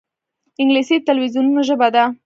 انګلیسي د تلویزونونو ژبه ده